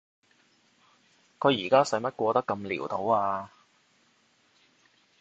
佢而家使乜過得咁潦倒啊？